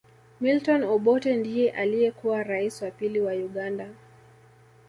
Milton Obote ndiye aliyekuwa raisi wa pili wa Uganda